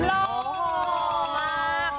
โล่มาก